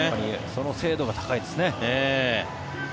その精度が高いですね。